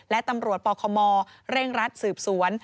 และตำรวจปคมเร่งรัดสืบสวน